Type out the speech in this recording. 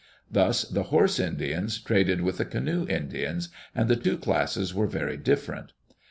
Thus the horse Indians traded with the canoe Indians, and the two classes were very different.